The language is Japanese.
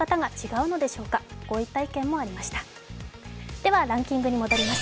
ではランキングに戻ります。